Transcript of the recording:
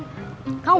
kamu bayar aku